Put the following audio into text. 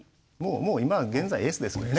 もう今現在エースですもんね。